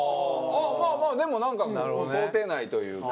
まあまあでもなんか想定内というか。